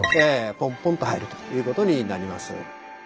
ポンポンと入るということになります。